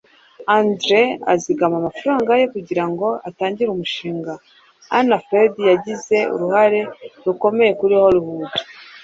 Andre azigama amafaranga ye kugirango atangire umushinga. Anna Freud yagize uruhare rukomeye kuri Hollywood.